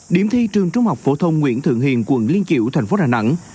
điểm thi trường trung học phổ thông nguyễn thượng hiền quận liên kiểu tp đà nẵng